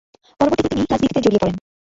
পরবর্তীতে তিনি রাজনীতিতে জড়িয়ে পড়েন।